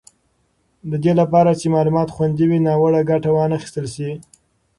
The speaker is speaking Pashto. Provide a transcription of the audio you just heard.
د دې لپاره چې معلومات خوندي وي، ناوړه ګټه به وانخیستل شي.